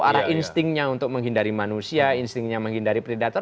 arah instingnya untuk menghindari manusia instingnya menghindari predator